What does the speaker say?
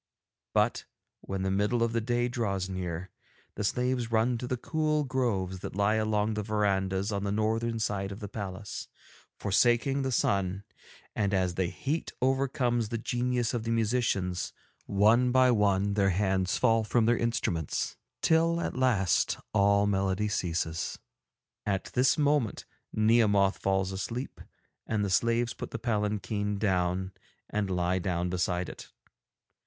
But when the middle of the day draws near, the slaves run to the cool groves that lie along the verandahs on the northern side of the palace, forsaking the sun, and as the heat overcomes the genius of the musicians, one by one their hands fall from their instruments, till at last all melody ceases. At this moment Nehemoth falls asleep, and the slaves put the palanquin down and lie down beside it.